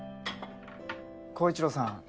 洸一郎さん